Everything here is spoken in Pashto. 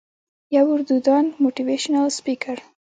يو اردو دان موټيوېشنل سپيکر